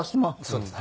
そうです。